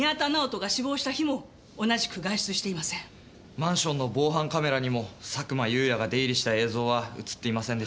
マンションの防犯カメラにも佐久間有也が出入りした映像は映っていませんでした。